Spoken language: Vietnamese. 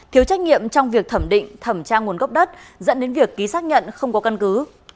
thiếu trách nhiệm trong việc thẩm định thẩm tra nguồn gốc đất dẫn đến việc ký xác nhận không có căn cứ